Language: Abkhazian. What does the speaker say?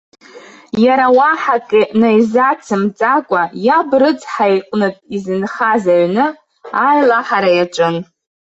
Иара уаҳа акы наизацымҵакәа, иаб рыцҳа иҟнытә изынхаз аҩны аилаҳара иаҿын.